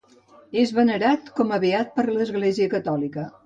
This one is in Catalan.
És venerat com a beat per l'Església Catòlica.